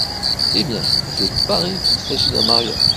Eh bien, je parie qu’il s’agit d’un mariage.